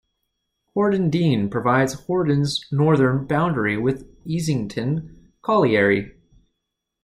Horden Dene provides Horden's northern boundary with Easington Colliery.